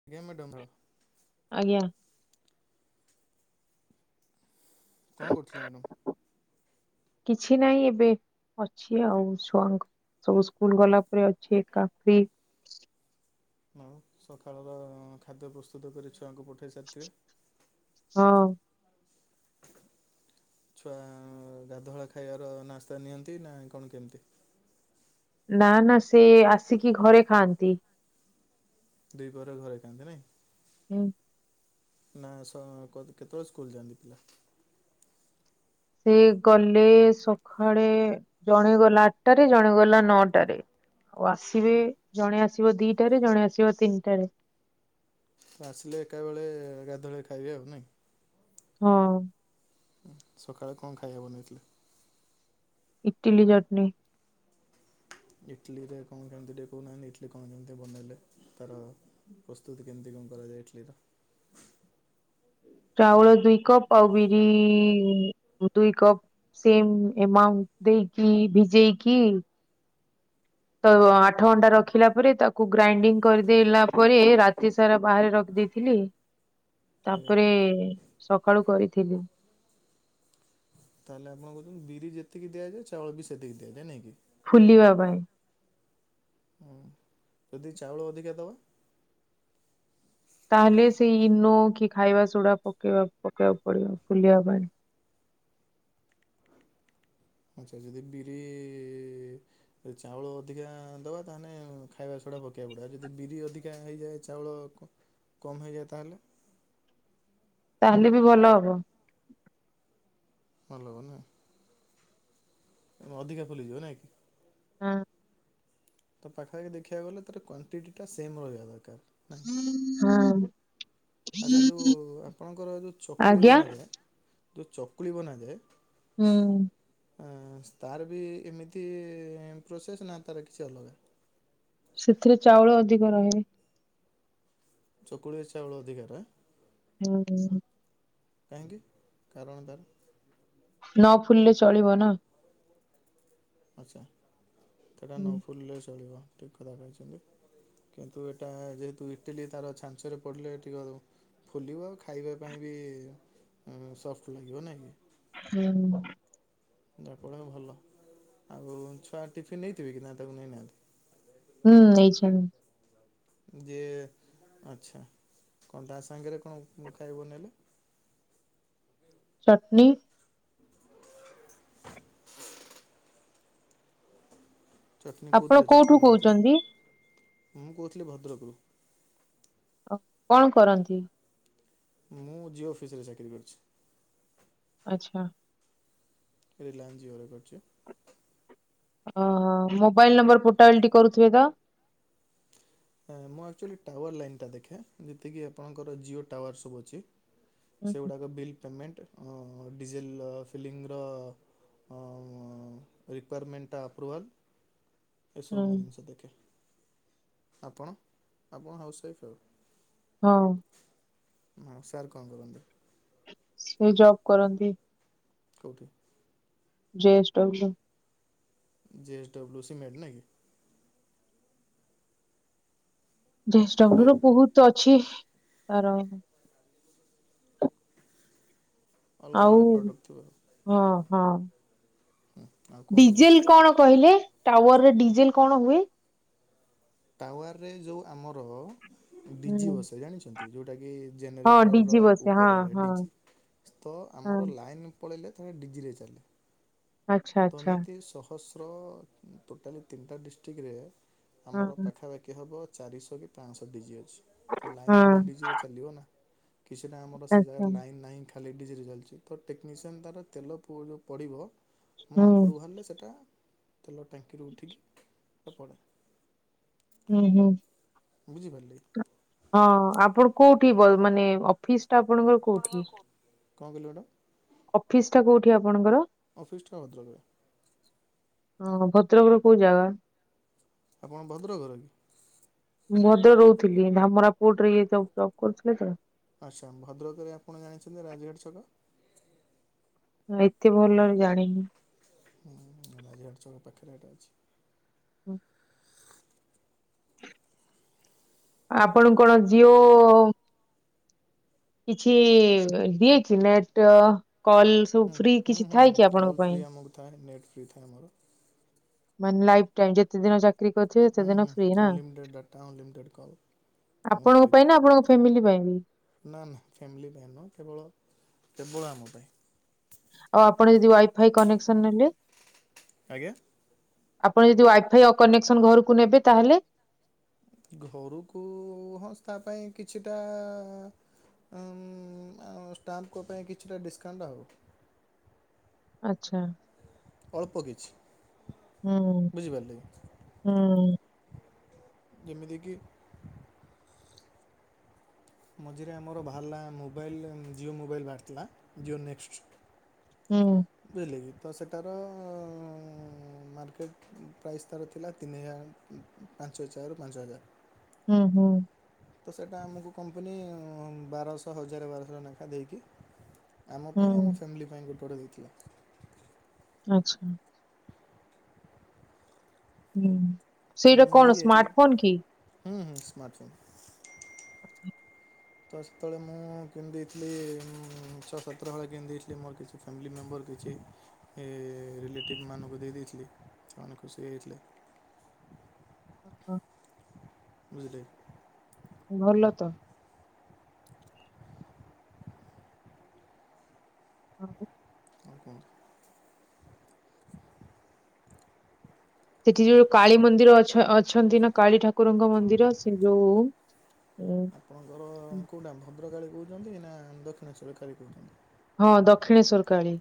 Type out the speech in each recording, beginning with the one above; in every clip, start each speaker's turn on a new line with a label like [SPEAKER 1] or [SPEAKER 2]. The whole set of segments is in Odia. [SPEAKER 1] [unintelligible]
[SPEAKER 2] ଆଜ୍ଞା।
[SPEAKER 1] କଣ କରୁଥିଲ ମ୍ୟାଡ଼ାମ?
[SPEAKER 2] କିଛି ନାହିଁ ଏବେ ଅଛି ଆଉ ଛୁଆଙ୍କୁ ସବୁ ସ୍କୁଲ ଗଲା ପରେ ଅଛି ଏକା ଫି।
[SPEAKER 1] ଆଉ ସକାଳର ଖାଦ୍ୟ ପ୍ରସ୍ତୁତ କରି ଛୁଆଙ୍କୁ ପଠାଇ ସାରିିଥିବେ।
[SPEAKER 2] ହଁ।
[SPEAKER 1] ଛୁଆ ଗାଧୁଆ ବେଳ ଖାଇବାର ନାସ୍ତା ନିଅନ୍ତି ନା କଣ କେମିତି?
[SPEAKER 2] ନା ନା ସେ ଆସିକି ଘରେ ଖାଆନ୍ତି।
[SPEAKER 1] ଦି ପହରେ ଘରେ ଖାଆନ୍ତି ନାଇଁ?
[SPEAKER 2] ହୁଁ।
[SPEAKER 1] ନାଁ ସ କ କେତେବେଳେ ସ୍କୁଲ ଯାଆନ୍ତି ପିଲା?
[SPEAKER 2] ସେ ଗଲେ ସଖାଳେ ଜଣେ ଗଲା ଆଠଟାରେ, ଜଣେ ଗଲା ନଅଟାରେ। ଆଉ ଆସିବେ ଜଣେ ଆସିବ ଦିଟାରେ, ଜଣେ ଆସିବ ତିନିଟାରେ।
[SPEAKER 1] ଛୁଆ ଆସିଲେ ଏକା ବେଳେ ଗାଧୁଆବେଳେ ଖାଇବେ ଆଉ ନାଇଁ?
[SPEAKER 2] ହଁ।
[SPEAKER 1] ସକାଳେ କଣ ଖାଇବା ବନେଇଥିଲେ?
[SPEAKER 2] ଇଟିଲି ଚଟନି।
[SPEAKER 1] ଇଟଲିରେ କଣ କେମିତି ଟିକେ କହୁନାହାନ୍ତି ଇଟଲି କଣ କେମିତି ବନେଇଲେ ତାର ପ୍ରସ୍ତୁତି କେମିତି କଣ କରାଯାଏ ଇଟଲିର?
[SPEAKER 2] ଚାଉଳ ଦୁଇ କପ୍ ଆଉ ବିରି ଦୁଇ କପ୍। ସେମ୍ ଏମାଉଣ୍ଟ ଦେଇକି ଭିଜେଇକି ତ ଆଠ ଘଣ୍ଟା ରଖିଲା ପରେ ତାକୁ ଗ୍ରାଇଣ୍ଡିଙ୍ଗ କରିଦେଲା ପରେ ରାତି ସାରା ବାହାରେ ରଖିଦେଇ ଥିଲି
[SPEAKER 1] ଆଜ୍ଞା
[SPEAKER 2] ତାପରେ ସକାଳୁ କରିଥିଲି।
[SPEAKER 1] ତାହେଲେ ଆପଣ କହୁଛନ୍ତି ବିରି ଯେତିକି ଦିଆଯାଏ ଚାଉଳ ବି ସେତିକି ଦିଆଯାଏ ନାଇଁ କି?
[SPEAKER 2] ଫୁଲିବା ପାଇଁ।
[SPEAKER 1] ହୁଁ। ଯଦି ଚାଉଳ ଅଧିକା ଦବା?
[SPEAKER 2] ତାହେଲେ ସେଇ ଇନୋ କି ଖାଇବା ସୋଡା ପକେଇବା ପକେଇବାକୁ ପଡିବ ଫୁଲିବା ପାଇଁ।
[SPEAKER 1] ଆଛା ଯଦି ବିରି ସେ ଚାଉଳ ଅଧିକା ଦେବା ତାହେଲେ ଖାଇବା ସୋଡା ପକାଇବା ପଡ଼ିବ ଯଦି ବିରି ଅଧିକା ହୋଇଯାଏ ଚାଉଳ କମ୍ ହେଇଯାଏ ତାହେଲେ।
[SPEAKER 2] ତାହେଲେ ବି ଭଲ ହବ।
[SPEAKER 1] ଭଲ ହବ ନା। ଅଧିକା ଫୁଲିଯିବ ନାଇଁ କି?
[SPEAKER 2] ହଁ।
[SPEAKER 1] ତ ପାଖା ପାଖି ଦେଖିବାକୁ ଗଲେ ତାର କ୍ଵଣ୍ଟି ଟା ସେମ ରହିବା ଦରକାର।
[SPEAKER 2] ହଁ।
[SPEAKER 1] ଆଛା ଯୋଉଁ ଆପଣଙ୍କର ଯୋଉଁ ଚକୁଳି
[SPEAKER 2] ଆଜ୍ଞା
[SPEAKER 1] ବନାଯାଏ ଯୋଉଁ ଚକୁଳି ବନାଯାଏ।
[SPEAKER 2] ହୁଁ।
[SPEAKER 1] ତାର ବି ଏମିତି ପ୍ରୋସେସ୍ ନା ତାର କିଛି ଅଲଗା?
[SPEAKER 2] ସେଥିରେ ଚାଉଳ ଅଧିକ ରହେ।
[SPEAKER 1] ଚକୁଳି ରେ ଚାଉଳ ଅଧିକାର
[SPEAKER 2] ଉଁ ହୁଁ।
[SPEAKER 1] କାହିଁକି କାରଣ ତାର?
[SPEAKER 2] ନ ଫୁଲିଲେ ଚଳିବ ନା?
[SPEAKER 1] ଆଚ୍ଛା ସେଟା
[SPEAKER 2] ହୁଁ
[SPEAKER 1] ନ ଫୁଲିଲେ ଚଳିବ ଠିକ୍ କଥା କହିଛନ୍ତି? କିନ୍ତୁ ଏଇଟା ଯେହେତୁ ଇଟିଲୀ ତାର ଛାଞ୍ଚରେ ପଡ଼ିଲେ ଟିକିଏ ଫୁଲିବ ଆଉ ଖାଇବା ପାଇଁ ବି ସଫ୍ଟ ଲାଗିବ ନାଇଁ?
[SPEAKER 2] ହୁଁ।
[SPEAKER 1] ଆପଣ ଭଲ ଆଉ ଛୁଆ ଟିଫିନ୍ ନେଇଥିବେ କି ନା ତାକୁ ନେଇନାହାନ୍ତି?
[SPEAKER 2] ହୁଁ ନେଇଛନ୍ତି
[SPEAKER 1] ଯେ ଆଚ୍ଛା କଣ ତା ସାଙ୍ଗରେ କଣ ଖାଇବା ନେଲେ?
[SPEAKER 2] ଚଟନି।
[SPEAKER 1] ଚଟଣୀ
[SPEAKER 2] ଆପଣ
[SPEAKER 1] କେଉଁଥିରେ
[SPEAKER 2] କୋଉଠୁ
[SPEAKER 1] ଚଟଣୀ [unintelligible] ମୁଁ
[SPEAKER 2] କହୁଛନ୍ତି
[SPEAKER 1] ନେଇଥିଲି ଭଦ୍ରକରୁ
[SPEAKER 2] କଣ କରନ୍ତି?
[SPEAKER 1] ମୁଁ ଜିଓ ଅଫିସ ରେ ଚାକିରି କରିଛି।
[SPEAKER 2] ଆଛ।
[SPEAKER 1] ରିଲଏନ୍ସ ଜିଓରେ କରିଛି।
[SPEAKER 2] ଓହୋ ମୋବାଇଲ ନମ୍ବର ପୋର୍ଟାଲ ଟି କରୁଥିବେ ତ?
[SPEAKER 1] ହଁ ମୁଁ ଆକ୍ଚୁଆଲି ଟାୱାର ଲାଇନ୍ଟା ଦେଖେ ଯେତିକି ଆପଣଙ୍କର ଜିଓ ଟାୱାର ସବୁ ଅଛି।
[SPEAKER 2] ହୁଁ
[SPEAKER 1] ସେଗୁଡ଼ାକ ବିଲ୍ ପେମେଣ୍ଟ ଅ ଡିଜେଲ ଫିଲିଂର ଅ ରିକଵୟାରମେଣ୍ଟଟ ଆପ୍ରୁଭାଲ୍
[SPEAKER 2] ହୁଁ
[SPEAKER 1] ଏସବୁ ମୁଁ ଜିନିିଷ ଦେଖେ। ଆପଣ ଆପଣ ହାଉସ୍ୱାଇଫ୍ ଆଉ?
[SPEAKER 2] ହଁ।
[SPEAKER 1] ହୁଁ ସାର କଣ କରନ୍ତି?
[SPEAKER 2] ସେ ଜବ୍ କରନ୍ତି।
[SPEAKER 1] କଉଠି?
[SPEAKER 2] [unintelligible]
[SPEAKER 1] ଜେଏସ୍ଡବ୍ଲ୍ୟୁ ସିମେଣ୍ଟ ନାଇଁ କି?
[SPEAKER 2] ଜେଡଵ୍ଲୁ
[SPEAKER 1] ଯେ
[SPEAKER 2] ର ବହୁତ ଅଛି ତାର
[SPEAKER 1] ଅଲଗା
[SPEAKER 2] ଆଉ
[SPEAKER 1] ଅଲଗା ପ୍ରଡ଼କ୍ଟ ଥିବ ଆଉ
[SPEAKER 2] ହଁ ହଁ
[SPEAKER 1] ଆଉ କୁହନ୍ତୁ
[SPEAKER 2] ଡିଜେଲ କଣ କହିଲେ ଟାୱାର ରେ ଡିଜେଲ କଣ ହୁଏ?
[SPEAKER 1] ଟାୱାର ରେ ଯୋଉ ଆମର ଡିଜି
[SPEAKER 2] ହୁଁ
[SPEAKER 1] ବସେ ଜାଣିଛ? ଅଛନ୍ତି, ଯୋଉଟାକି
[SPEAKER 2] ହଁ ଡିଜି
[SPEAKER 1] ଜେନେରେଟରର
[SPEAKER 2] ବସେ ହଁ
[SPEAKER 1] ଉପରେ
[SPEAKER 2] ହଁ
[SPEAKER 1] ଡିଜିଟ ତ
[SPEAKER 2] ହଁ
[SPEAKER 1] ଆମର ଲାଇନ୍ ପଳେଇଲେ ତାଙ୍କ ଡିଜିରେ ଚାଲେ।
[SPEAKER 2] ଆଚ୍ଛା
[SPEAKER 1] ତ
[SPEAKER 2] ଆଚ୍ଛା।
[SPEAKER 1] ଏମିତି ସହସ୍ର, ଟୋଟାଲି ତିନିଟା ଡିଷ୍ଟିକରେ
[SPEAKER 2] ହଁ
[SPEAKER 1] ଆମର ପାଖାପାଖି ହବ ଚାରିଶହ କି ପାଞ୍ଚଶହ ଡିଜି ଅଛି। ତ ଲାଇନ୍
[SPEAKER 2] ହଁ
[SPEAKER 1] ଗଲେ ଡିଜି ଅଛି ଚାଲିବ ନା, କିଛିଟା ଆମର ସେ
[SPEAKER 2] ଆଚ୍ଛା
[SPEAKER 1] ଜାଗାରେ ଲାଇନ ନାହିଁ। ଖା ଖାଲି ଡିଜିରେ ଚାଲିଛି। ତ ଟେକ୍ନିସିଆନ୍ ତାର ତେଲ ପୁ ଯୋଉ ପଡ଼ିବ ମୋ
[SPEAKER 2] ହୁଁ
[SPEAKER 1] ଆପ୍ରୁଭାଲରେ ସେଇଟା ତେଲ ଟାଙ୍କିରୁ ଉଠିକି ସେ ପଡ଼େ।
[SPEAKER 2] ହୁଁ ହୁଁ।
[SPEAKER 1] ବୁଝିପାରିଲେ?
[SPEAKER 2] ହଁ ଆପଣ କୋଉଠି ବଲ ମାନେ ଅଫିସ ଟା ଆପଣଙ୍କର କୋ
[SPEAKER 1] ଆପଣଙ୍କ କୋ, କଣ କହିଲେ ହେଟା?
[SPEAKER 2] ଅଫିସଟା କୋଉଠି ଆପଣଙ୍କର?
[SPEAKER 1] ଅଫିସଟା ଭଦ୍ରକରେ।
[SPEAKER 2] ହଁ, ଭଦ୍ରକର କୋଉ ଜାଗା?
[SPEAKER 1] ଆପଣ ଭଦ୍ରକର କି?
[SPEAKER 2] ମୁଁ ଭଦ୍ର ରେ ରହୁଥିଲି। ଧାମରା ପୋର୍ଟରେ ଇଏ ଜବ- ଜବ କରୁଥିଲେ ତ।
[SPEAKER 1] ଆଚ୍ଛା, ଭଦ୍ରକରେ ଆପଣ ଜାଣିଛନ୍ତି ରାଜବାଟୀ ଛକ?
[SPEAKER 2] ମୁଁ ଏତେ ଭଲରେ ଜାଣିନି।
[SPEAKER 1] ହୁଁ ରାଜବାଟୀ ଛକ ପାଖରେ ହେଟା ଅଛି।
[SPEAKER 2] ହୁଁ। ଆପଣ କଣ ଜିଓ? କିଛି ବିକ ନେଟ୍ କଲସ
[SPEAKER 1] ହୁଁ, ହୁଁ ହୁଁ ହୁଁ କଲ ଫ୍ରୀ ଆମକୁ ଥାଏ। ନେଟ ଫ୍ରୀ ଥାଏ ଆମର।
[SPEAKER 2] ମାନେ ଲାଇଫ ଟାଇମ। ଯେତେ ଦିନ ଚାକ ଚାକେରୀ କରିଥିବେ ସେତେ
[SPEAKER 1] ହୁଁ
[SPEAKER 2] ଦିନ
[SPEAKER 1] ହୁଁ
[SPEAKER 2] ଫ୍ରି ନା
[SPEAKER 1] ଅନଲିମିଟେଡ଼ ଡାଟା, ଅନଲିମିଟେଡ଼ କଲ।
[SPEAKER 2] ଆପଣଙ୍କ ପାଇଁ ନା ଆପଣଙ୍କ ଫ୍ୟାମିଲି ପାଇଁ ବି?
[SPEAKER 1] ନା ନା ଫ୍ୟାମିଲି ପାଇଁ ନୁହଁ। କେବଳ କେବଳ ଆମ ପାଇଁ।
[SPEAKER 2] ଆଉ ଆପଣ ଯଦି ୱାଇଫାଇ କନେକ୍ସନ ନେଲେ?
[SPEAKER 1] ଆଜ୍ଞା?
[SPEAKER 2] ଆପଣ ଯଦି ୱାଇଫାଇ ଅ କନେକ୍ସନ ଘରକୁ ନେବେ ତାହେଲେ?
[SPEAKER 1] ଘରୁକୁ, ହଁ ସ୍ତା ପାଇଁ କିଛିଟା ଉଁ ଆମ ଷ୍ଟାମ୍ପଙ୍କ ପାଇଁ କିଛିଟା ଡିସ୍କାଉଣ୍ଟ ଆଉ।
[SPEAKER 2] ଆଚ୍ଛା।
[SPEAKER 1] ଅଳ୍ପ କିଛି।
[SPEAKER 2] ହୁଁ
[SPEAKER 1] ବୁଝିପାରିଲେ?
[SPEAKER 2] ହୁଁ
[SPEAKER 1] ଯେମିତିକି ମଝିରେ ଆମର ବାହାରିଲା ମୋବାଇଲ୍ ଜିଓ ମୋବାଇଲ୍ ବାହାରିଥିଲା, ଜିଓ ନେକ୍ସଟ୍।
[SPEAKER 2] ହୁଁ।
[SPEAKER 1] [unintelligible] ତ ସେଟାର ଉଁ ମାର୍କେଟ୍ ପ୍ରାଇସ୍ ତାର ଥିଲା ତିନିଆ ପାଞ୍ଚ ହଜାରରୁ ପାଞ୍ଚ ହଜାର।
[SPEAKER 2] ହୁଁ ହୁଁ।
[SPEAKER 1] ତ ସେଟା ଆମକୁ କମ୍ପନୀ ବାରଶହ ହଜାର ବାରଶହ ନେଖା ଦେଇକି ଆମପାଇଁ,
[SPEAKER 2] ହୁଁ
[SPEAKER 1] ଆମ ଫ୍ୟାମିଲିପାଇଁ ଗୋଟେ ଗୋଟେ ଦେଇଥିଲା।
[SPEAKER 2] ଆଚ୍ଛା। ହୁଁ,
[SPEAKER 1] ତ
[SPEAKER 2] ସେଇଟା
[SPEAKER 1] ମୁଁ
[SPEAKER 2] କଣ
[SPEAKER 1] ନେଇଯାଇଥିଲି
[SPEAKER 2] ସ୍ମାର୍ଟ ଫୋନ କି?
[SPEAKER 1] ହୁଁ ହୁଁ। Smart phone. ତ ସେତେବେଳେ ମୁଁ କିଣିଦେଇଥିଲି ଉଁ ଛଅ ସାତଟା ଭଳିଆ କିଣିଦେଇଥିଲି ମୋର କିଛି ଫ୍ୟାମିଲି ମେମ୍ବର କିଛି ଏ ରିଲେଟିଭ୍ ମାନଙ୍କୁ ଦେଇ ଦେଇଥିଲି। ସେମାନେ ଖୁସି ହେଇଯାଇଥିଲେ।
[SPEAKER 2] ଅ।
[SPEAKER 1] ବୁଝିଲେ?
[SPEAKER 2] ଭଲ ତ। [inaudible]
[SPEAKER 1] କଣ କୁହନ୍ତୁ?
[SPEAKER 2] ସେଠି ଯୋଉ କାଳୀ ମନ୍ଦିର ଅଛ, ଅଛନ୍ତି ନା କାଳୀ ଠାକୁରଙ୍କ ମନ୍ଦିର ସେ ଯୋଉ ଉଁ
[SPEAKER 1] ଆପଣଙ୍କର କେଉଟା ଭଦ୍ରକାଳୀ କହୁଛନ୍ତି, ନା ଦକ୍ଷିଣେଶ୍ୱରକାଳୀ କହୁଛନ୍ତି?
[SPEAKER 2] ହଁ ଦକ୍ଷିଣେଶ୍ୱରକାଳୀ।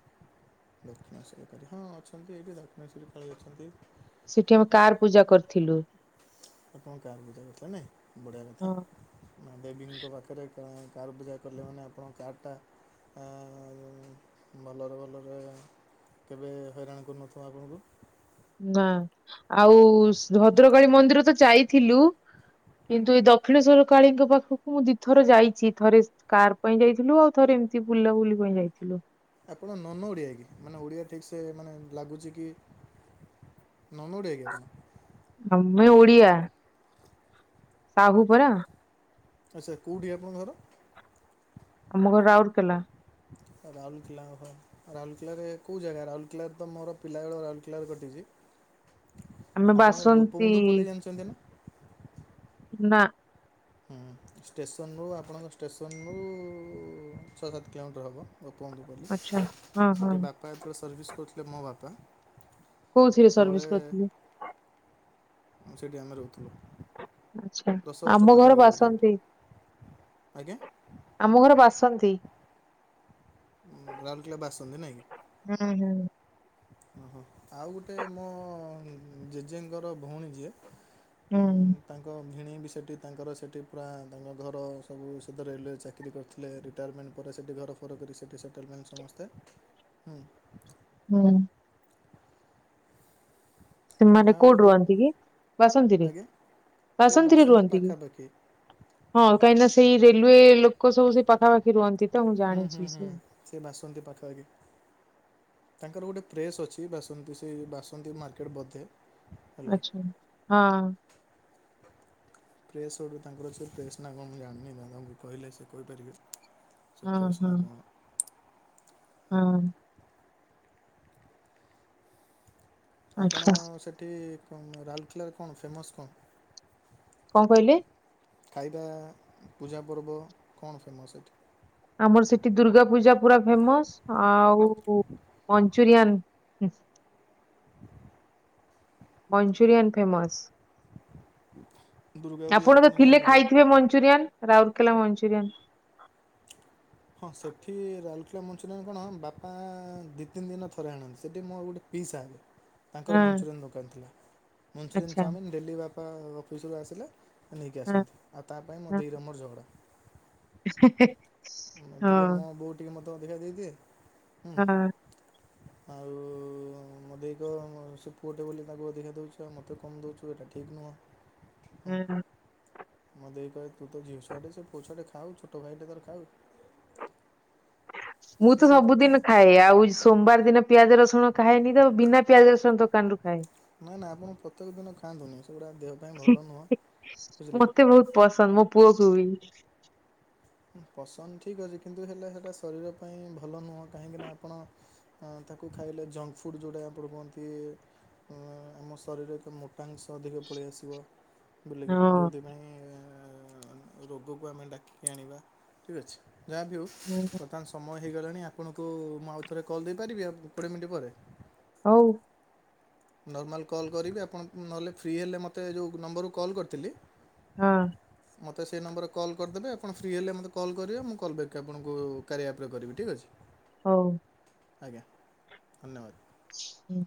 [SPEAKER 1] ଦକ୍ଷିଣେଶ୍ୱରକାଳୀ ହଁ ଅଛନ୍ତି ଏଇଠି ଦକ୍ଷିଣେଶ୍ୱରକାଳୀ ଅଛନ୍ତି।
[SPEAKER 2] ସେଠି ଆମେ କାର ପୂଜା କରିଥିଲୁ।
[SPEAKER 1] ଆପଣ କାର ପୂଜା କରିଥିଲେ ନାଇଁ ବଢ଼ିଆ କଥା।
[SPEAKER 2] ହଁ
[SPEAKER 1] ମା ଦେବୀଙ୍କ ପାଖରେ କାର କାର୍ ପୂଜା କଲେ ମାନେ ଆପଣଙ୍କ କାର ଟା ଆ ଭଲରେ ଭଲରେ। କେବେ ହଇରାଣ କରୁନଥିବ ଆପଣଙ୍କୁ?
[SPEAKER 2] ନା। ଆଉ ଭଦ୍ରକାଳୀ ମନ୍ଦିର ତ ଯାଇଥିଲୁ। କିନ୍ତୁ ଏ ଦକ୍ଷିନେଶ୍ୱରକାଳୀଙ୍କ ପାଖକୁ ମୁଁ ଦିଥର ଯାଇଛି। ଥରେ କାର୍ ପାଇଁ ଯାଇଥିଲୁ। ଆଉ ଥରେ ଏମିତି ବୁଲାବୁଲି ପାଇଁ ଯାଇଥିଲୁ।
[SPEAKER 1] ଆପଣ ନନ ଓଡ଼ିଆ କି? ମାନେ ଓଡ଼ିଆ ଠିକ ସେ ମାନେ ଲାଗୁଛି କି ନନ ଓଡ଼ିଆକି ଆପଣ?
[SPEAKER 2] ଆମେ ଓଡିଆ। ସାହୁ ପରା।
[SPEAKER 1] ଆଚ୍ଛା କେଉଁଠି ଆପଣଙ୍କ ଘର?
[SPEAKER 2] ଆମ ଘର ରାଉରକେଲା।
[SPEAKER 1] ରାଉଲ୍ କେଲା ଘର? ରାଉରକେଲାରେ କୋଉ ଜାଗା? ରାଉରକେଲାରେ ତ ମୋର ପିଲା ବେଳ ରାଉରକେଲାରେ କଟିଛି।
[SPEAKER 2] ଆମେ
[SPEAKER 1] ଆପଣଙ୍କର
[SPEAKER 2] ବାସନ୍ତି
[SPEAKER 1] ଗୋପବନ୍ଧୁ ପଲେଇ ଜାଣିଛନ୍ତି ନା?
[SPEAKER 2] ନା
[SPEAKER 1] ଷ୍ଟେସନ୍ ରୁ ଆପଣଙ୍କ ଷ୍ଟେସନ୍ ରୁ ଛଅ ସାତ କିଲୋମିଟର ହବ। ଗୋପବନ୍ଧୁ ପଲ୍ଲି।
[SPEAKER 2] ଆଚ୍ଛା ହଁ ହଁ
[SPEAKER 1] ସେଠି ବାପା ଯେତେବେଳେ ସର୍ଭିସ୍ କରୁଥିଲେ ମୋ ବାପା।
[SPEAKER 2] କୋଉଥିରେ
[SPEAKER 1] ସେତେବେଳେ
[SPEAKER 2] ସର୍ଭିସ କରିଥିଲେ?
[SPEAKER 1] ସେଇଠି ଆମେ ରହୁଥିଲୁ।
[SPEAKER 2] ଆଛା।
[SPEAKER 1] ଦଶ ବର୍ଷ
[SPEAKER 2] ଆମ ଘର
[SPEAKER 1] ପାଖାପାଖି ରହିଛୁ ଏଠି
[SPEAKER 2] ବାସନ୍ତି।
[SPEAKER 1] ଆଜ୍ଞା
[SPEAKER 2] ଆମ ଘର ବାସନ୍ତି।
[SPEAKER 1] ଉଁ ରାଉରକେଲା ବାସନ୍ତୀ ନାଇଁ କି?
[SPEAKER 2] ହୁଁ ହୁଁ।
[SPEAKER 1] ଓହୋ। ଆଉ ଗୋଟେ ମୋ ଜେଜେଙ୍କର ଭଉଣୀ ଯିଏ।
[SPEAKER 2] ହୁଁ
[SPEAKER 1] ଉଁ ତାଙ୍କ ଭିଣେଇ ବି ସେଠି ତାଙ୍କର ସେଠି ପୁରା ତାଙ୍କ ଘର ସବୁ ସେ ତ ରେଲୱ ରେ ଚାକିରି କରିଥିଲେ। ରିଟାୟାରମେଣ୍ଟ ପରେ ସେଠି ଘର ଫର କରି ସେଇଠି ସେଟଲମେଣ୍ଟ ସମସ୍ତେ। ହୁଁ
[SPEAKER 2] ହୁଁ।
[SPEAKER 1] ତ
[SPEAKER 2] ସେମାନେ
[SPEAKER 1] ଯାହା ବି
[SPEAKER 2] କୋଉଠି
[SPEAKER 1] ହଉ
[SPEAKER 2] ରୁହନ୍ତି କି ବାସନ୍ତିରେ
[SPEAKER 1] ଆଜ୍ଞା ସେ
[SPEAKER 2] ବାସନ୍ତିରେ
[SPEAKER 1] ବାସନ୍ତି
[SPEAKER 2] ରୁହନ୍ତି କି?
[SPEAKER 1] ପାଖାପାଖି
[SPEAKER 2] ହଁ କାହିଁକି ନା ସେଇ ରେଲିୱେ ଲୋକ ସବୁ ସେଇ ପାଖାପାଖି ରୁହନ୍ତି। ତ ମୁଁ
[SPEAKER 1] ହୁଁ ହୁଁ
[SPEAKER 2] ଜାଣିଛି
[SPEAKER 1] ହୁଁ
[SPEAKER 2] ସେ
[SPEAKER 1] ସେ ବାସନ୍ତି ପାଖାପାଖି। ତାଙ୍କର ଗୋଟେ କ୍ରେସ୍ ଅଛି ବାସନ୍ତି ସେ ବାସନ୍ତି ମାର୍କେଟ୍ ବୋଧେ? ହେଲା କି
[SPEAKER 2] ଆଛା ଆଛା ହଁ।
[SPEAKER 1] ପ୍ରେସ୍ ସଡ଼ୁ ତାଙ୍କର ଅଛି ସେ ପ୍ରେସ୍ ନା କଣ ମୁଁ ଜାଣିନି ନା ଏବଂ ତାଙ୍କୁ କହିଲେ ସେ କହିପାରିବେ। ସେ
[SPEAKER 2] ହଁ
[SPEAKER 1] ପ୍ରେସ୍
[SPEAKER 2] ହଁ
[SPEAKER 1] ନାଆ କଣ? ହୁଁ
[SPEAKER 2] ହଁ।
[SPEAKER 1] ଆପଣ
[SPEAKER 2] ଆଚ୍ଛା
[SPEAKER 1] ସେଠି ରାଉଲ୍କେଲାରେ କଣ ଫେମସ୍ କଣ?
[SPEAKER 2] କଁ କହିଲେ?
[SPEAKER 1] ଖାଇବା ପୂଜା ପର୍ବ କଣ ଫେମସ୍ ସେଠି?
[SPEAKER 2] ଆମର ସେଠି ଦୁର୍ଗା ପୂଜା ପୁରା ଫେମସ୍ ଆଉ ମଞ୍ଚୁରିଆନ୍।
[SPEAKER 1] [inaudible]
[SPEAKER 2] Manchurian famous.
[SPEAKER 1] ହୁଁ
[SPEAKER 2] ଆପଣ ତ ଥିଲେ ଖାଇଥିବେ ମଞ୍ଚୁରିଆନ୍ ରାଉଲକେଲା ମଞ୍ଚୁରିଆନ୍।
[SPEAKER 1] ହଁ ସେଠି ରାଉରକେଲା ମଞ୍ଚୁରିଆନ୍ କଣ ବାପା ଦିଇ ତିନି ଦିନ ରେ ଥରେ ଆଣନ୍ତି। ସେଠି ମଁ ଆଉ ଗୋଟେ ପିଈସା ହେବେ। ତାଙ୍କର
[SPEAKER 2] ହଁ
[SPEAKER 1] ମଞ୍ଚୁରିଆନ୍ ଦୋକାନ ଥିଲା ମଞ୍ଚୁରିଆନ୍
[SPEAKER 2] ଆଚ୍ଛା।
[SPEAKER 1] ଚାଓମିିନ୍ ଡେଲି ବାପା ଅଫିସିରୁ ଆସିଲେ ବାପା ନେଇକି
[SPEAKER 2] ହଁ
[SPEAKER 1] ଆସନ୍ତି ଆଉ ତା ପାଇଁ ମୋ
[SPEAKER 2] ହଁ
[SPEAKER 1] ଦେଇ ର ମୋର ଝଗଡ଼ା। ଟିକେ
[SPEAKER 2] ହଁ
[SPEAKER 1] ମୋ ବୋଉ ଟିକେ ମୋତେ ଅଧିକା ଦେଇଦିଏ ହୁଁ।
[SPEAKER 2] ହଁ
[SPEAKER 1] ଆଉ ମୋ ଦେଇ କଇବ ସେ ପୁଅଟେ ବୋଲି ତାଙ୍କୁ ଅଧିକା ଦଉଚି ଆଉ ମୋତେ କମ୍ ଦଉଚି ଏଇଟା ଠିକ୍ ନୁହଁ।
[SPEAKER 2] ହଁ
[SPEAKER 1] ମୋ ଦେଇକି କଇବ ତୁତ ଝିଅ ଛୁଆ ଟେ ସେ ପୁଅ ଛୁଆ ଟେ ସେଖାଉ ଛୋଟ ଭାଇଟେ ତୋର ଖାଉ।
[SPEAKER 2] ମୁଁ ତ
[SPEAKER 1] ସେସବୁ କଥା
[SPEAKER 2] ସବୁଦିନ୍ ଖାଏ ଆଉ ସୋମବାର ଦିନ ପିଆଜ ରସୁଣ ଖାଏନି ତ ବିନା ପିଆଜ ରସୁଣ ଦୋକାନରୁ ଖାଏ।
[SPEAKER 1] ନା ନା ଆପଣ ପ୍ରତ୍ୟେକ ଦିନ ଖାଆନ୍ତୁନି ସେଗୁଡ଼ା ଦେହ ପାଇଁ ଭଲ ନୁହଁ ବୁଝିଲେ କି?
[SPEAKER 2] ମତେ ବହୁତ୍ ପସନ୍ଦ। ମୋକ୍ ପୁଅକୁ ବି।
[SPEAKER 1] ପସନ୍ଦ ଠିକ୍ ଅଛି କିନ୍ତୁ ହେଲେ ସେଇଟା ଶରୀର ପାଇଁ ଭଲ ନୁହଁ। କାହିଁକିନା ଆପଣ ତାକୁ ଖାଇଲେ ଜଙ୍କ୍ ଫୁଡ୍ ଯୋଉଟା ଆପଣ କୁହନ୍ତି। ଆମ ଶରୀର ଏତେ ମୋଟାଂଶ ଅଧିକ ପଳେଇ ଆସିବ। ବୁଲେକି
[SPEAKER 2] ହଁ
[SPEAKER 1] ଯୋଉଥିପାଇଁ ରୋଗକୁ ଆମେ ଡାକି କି ଆଣିବା ଠିକ୍ ଅଛି ଯାହା ବିି ହଉ।
[SPEAKER 2] ହୁଁ।
[SPEAKER 1] ବର୍ତମାନ୍ ସମୟ ହେଇଗଲାଣି ଆପଣଙ୍କୁ ମୁଁ ଆଉଥରେ କଲ୍ ଦେଇପାରିବି ଆଉ କୋଡ଼ିଏ ମିନିଟ୍ ପରେ?
[SPEAKER 2] ହଉ।
[SPEAKER 1] ନର୍ମାଲ୍ କଲ୍ କରିବି ଆପଣ ନହେଲେ ଫ୍ରି ହେଲେ ମତେ ଯୋଉ ନମ୍ବରରୁ କଲ୍ କରିଥିଲି।
[SPEAKER 2] ହଁ।
[SPEAKER 1] ତ ସେଇ ନମ୍ବରରେ କଲ୍ କରିଦେବେ ଆପଣ ଫ୍ରି ହେଲେ ମୋତେ କଲ୍ କରିବେ ମୁଁ କଲ୍ ବ୍ୟାକ୍ ଆପଣଙ୍କୁ କାରିଆ ଆପ୍ ରେ କରିବି ଠିକ୍ ଅଛି।
[SPEAKER 2] ହ ହଉ।
[SPEAKER 1] ଆଜ୍ଞା, ଧନ୍ୟବାଦ୍।
[SPEAKER 2] ହୁଁ।